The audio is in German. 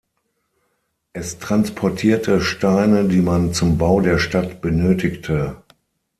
Es transportierte Steine, die man zum Bau der Stadt benötigte.